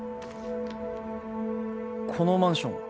このマンションは？